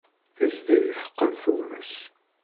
Tezdeg teqqel tumes.